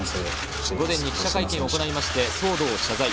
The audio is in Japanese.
午前に記者会見を行い、騒動を謝罪。